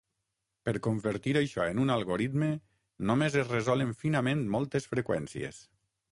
Per convertir això en un algoritme, només es resolen finament moltes freqüències.